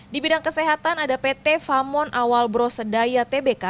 di bidang kesehatan ada pt famon awal brosedaya tbk